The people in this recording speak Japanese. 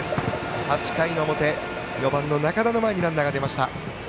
８回の表、４番の仲田の前にランナーが出ました。